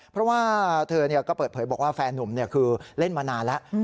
เพราะว่าเธอก็เปิดเผยบอกว่าแฟนนุ่มคือเล่นมานานแล้ว